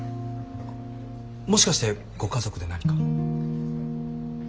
もしかしてご家族で何か？